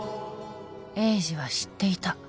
栄治は知っていた